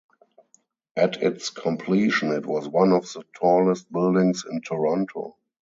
At its completion it was one of the tallest buildings in Toronto.